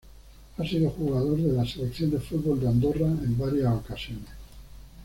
Ha sido jugador de la selección de fútbol de Andorra en varias ocasiones.